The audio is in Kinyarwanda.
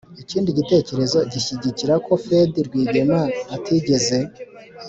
ikindi gitekerezo gishyigikira ko fed rwigema atigeze